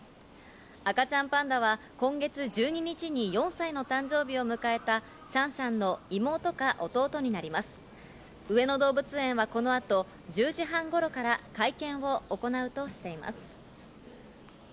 赤ちゃんパンダは今月１２日に４歳の誕生日を迎えたシャンシャンの妹か弟になります上野動物園はこの後１０時半頃から会見を行うとしています。